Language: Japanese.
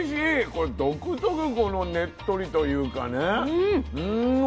これ独特このねっとりというかね。